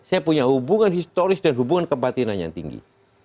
saya punya hubungan historis dan hubungan kebatinan yang tinggi